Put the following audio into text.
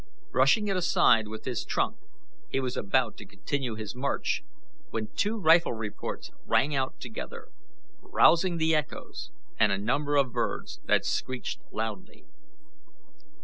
Brushing it aside with his trunk, he was about to continue his march, when two rifle reports rang out together, rousing the echoes and a number of birds that screeched loudly.